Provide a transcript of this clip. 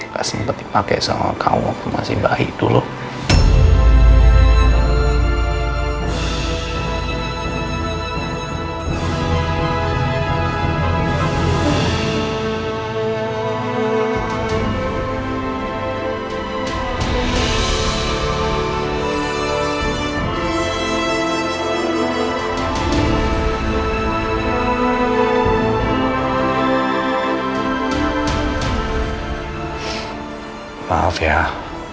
gak sempet dipake sama kau waktu masih bayi itu loh